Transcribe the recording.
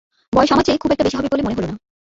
বয়স আমার চেয়ে খুব একটা বেশি হবে বলে মনে হলো না।